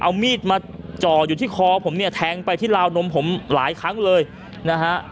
เอามีดมาจ่ออยู่ที่คอผมเนี่ยแทงไปที่ลาวนมผมหลายครั้งเลยนะฮะ